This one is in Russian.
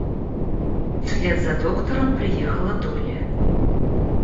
Вслед за доктором приехала Долли.